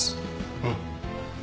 うん。